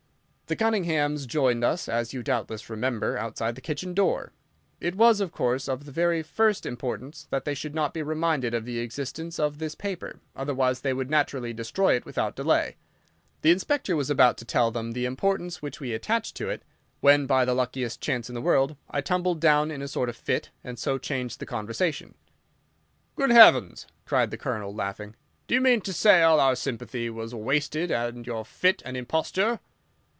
"The Cunninghams joined us, as you doubtless remember, outside the kitchen door. It was, of course, of the very first importance that they should not be reminded of the existence of this paper, otherwise they would naturally destroy it without delay. The Inspector was about to tell them the importance which we attached to it when, by the luckiest chance in the world, I tumbled down in a sort of fit and so changed the conversation. "Good heavens!" cried the Colonel, laughing, "do you mean to say all our sympathy was wasted and your fit an imposture?"